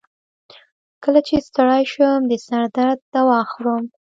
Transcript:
کله چې ستړی شم، د سر درد دوا خورم.